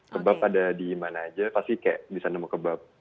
kebab ada di mana aja pasti kayak bisa nemu kebab